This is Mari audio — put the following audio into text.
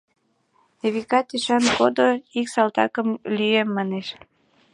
Эвика тӹшан коды, «ик салтакым лӱем» манеш.